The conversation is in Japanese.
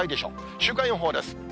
週間予報です。